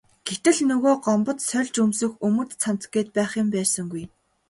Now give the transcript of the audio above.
Гэтэл нөгөө Гомбод сольж өмсөх өмд цамц гээд байх юм байсангүй.